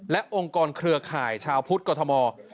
และองค์กรเครือข่ายชาวพุทธกรทม